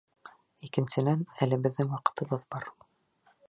Икенсенән, әле беҙҙең ваҡытыбыҙ бар.